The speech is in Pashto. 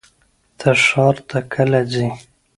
ته ښار ته کله ځې؟